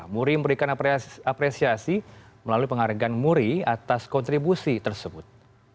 muri memberikan apresiasi melalui penghargaan muri atas kontribusi tersebut